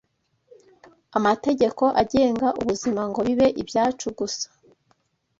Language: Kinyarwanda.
Amategeko agenga ubuzima ngo bibe ibyacu gusa